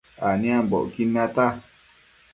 aniambocquid nata